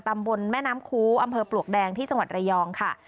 ตำบลแม่น้ำคูอำเภอปลวกแดงที่จังหวัดระยองค่ะ